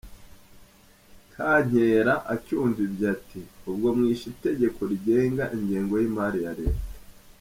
Kankera acyumva ibyo ati “ Ubwo mwishe itegeko rigenga ingengo y’imari ya leta.